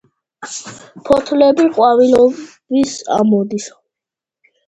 ფოთლები ყვავილობის ამოდის.